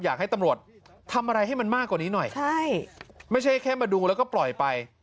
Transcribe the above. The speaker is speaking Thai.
อยากให้ตำรวจทำอะไรให้มันมากกว่านี้หน่อยใช่ไม่ใช่แค่มาดูแล้วก็ปล่อยไป